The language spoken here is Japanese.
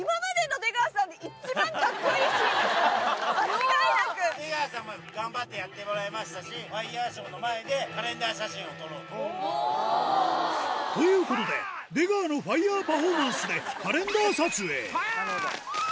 出川さんは頑張ってやってもらいましたし、ファイアショーの前でカレンダー写真を撮ろうと。ということで、出川のファイアパフォーマンスでカレンダー撮影。